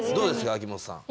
秋元さん。